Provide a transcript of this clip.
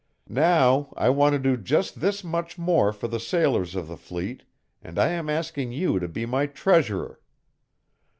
Now I want to do just this much more for the sailors of the fleet, and I am asking you to be my treasurer.